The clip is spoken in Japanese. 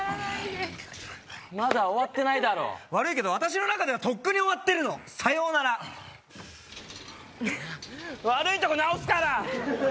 まだ終わってないだろ悪いけど私の中ではとっくに終わってるのさようなら悪いとこ直すから！